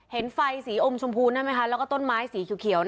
เห็นไฟสีโอมชมพูดแล้วต้นไม้สีเขียว